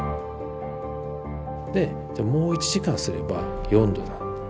でもう１時間すれば４°だ。